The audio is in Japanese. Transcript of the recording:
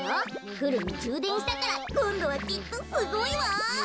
フルにじゅうでんしたからこんどはきっとすごいわ。